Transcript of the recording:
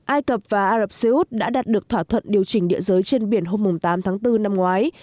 ai cập và ả rập xê út đã đạt được thỏa thuận điều chỉnh địa giới trên biển hôm tám tháng bốn năm ngoái